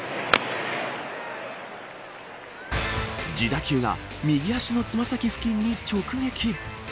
自打球が右足の爪先付近に直撃。